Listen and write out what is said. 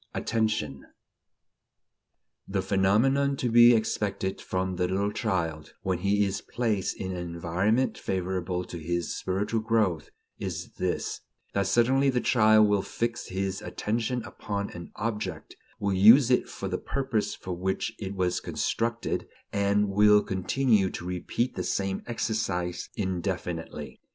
VI ATTENTION The phenomenon to be expected from the little child, when he is placed in an environment favorable to his spiritual growth, is this: that suddenly the child will fix his attention upon an object, will use it for the purpose for which it was constructed, and will continue to repeat the same exercise indefinitely.